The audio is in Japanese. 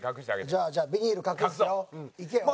じゃあじゃあビニール隠すよ。いけよ。